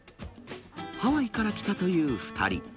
ハワイから来たという２人。